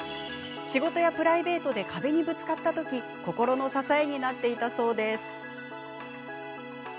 仕事やプライベートで壁にぶつかったとき心の支えになっていたそうです。